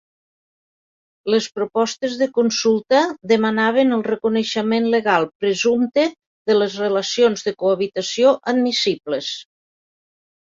Les propostes de consulta demanaven el reconeixement legal "presumpte" de les relacions de cohabitació "admissibles".